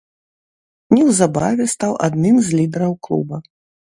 Неўзабаве стаў адным з лідараў клуба.